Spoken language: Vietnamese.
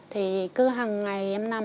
thì cứ hằng ngày em nằm